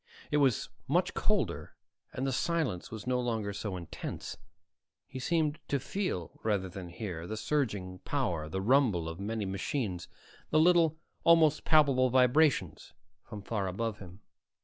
It was much colder and the silence was no longer so intense. He seemed to feel, rather than hear, the surging power, the rumble of many machines, the little, almost palpable vibrations from far above him.